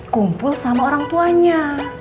kumpul sama orang tuanya